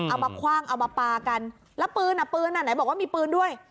เอามาคว่างเอามาปลากันแล้วปืนอ่ะปืนอ่ะไหนบอกว่ามีปืนด้วย